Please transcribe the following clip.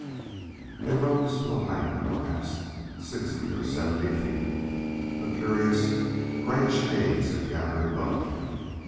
They rose to a height of perhaps sixty or seventy feet. A curious grayish haze had gathered above them.